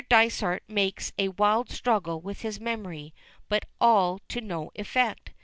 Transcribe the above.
Dysart makes a wild struggle with his memory, but all to no effect.